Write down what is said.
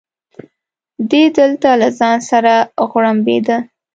دی دلته له ځان سره غوړمبېده.